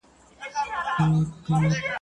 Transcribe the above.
لرغوني خلک راشی کرل.